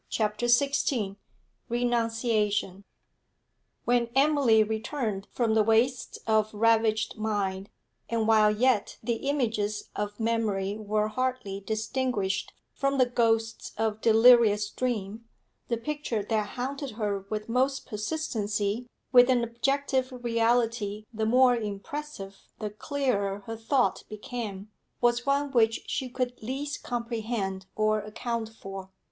CHAPTER XVI RENUNCIATION When Emily returned from the wastes of ravaged mind, and while yet the images of memory were hardly distinguished from the ghosts of delirious dream, the picture that haunted her with most persistency, with an objective reality the more impressive the clearer her thought became, was one which she could least comprehend or account for.